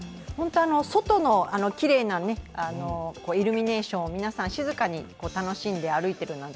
外のきれいなイルミネーションを皆さん、静かに歩いてるなんて